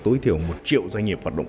tối thiểu một triệu doanh nghiệp hoạt động